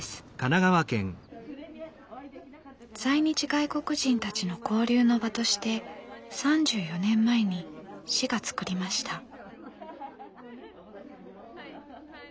在日外国人たちの交流の場として３４年前に市が作りました。